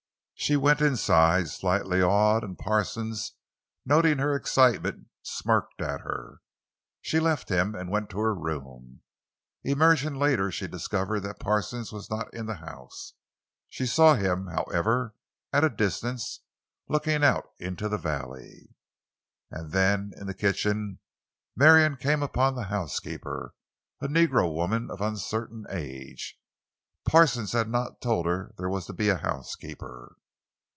She went inside, slightly awed, and Parsons, noting her excitement, smirked at her. She left him and went to her room. Emerging later she discovered that Parsons was not in the house. She saw him, however, at a distance, looking out into the valley. And then, in the kitchen, Marion came upon the housekeeper, a negro woman of uncertain age. Parsons had not told her there was to be a housekeeper.